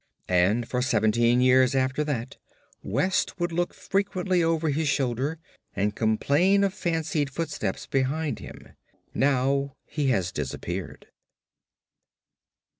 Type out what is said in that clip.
And for seventeen years after that West would look frequently over his shoulder, and complain of fancied footsteps behind him. Now he has disappeared.